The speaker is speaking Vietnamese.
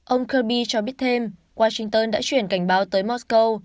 ông kirby cho biết thêm washington đã chuyển cảnh báo tới mosco